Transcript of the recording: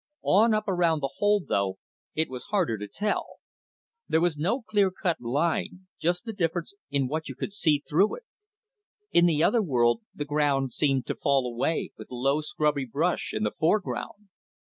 On up around the hole, though, it was harder to tell. There was no clear cut line, just the difference in what you could see through it. In the other world, the ground seemed to fall away, with low scrubby brush in the foreground.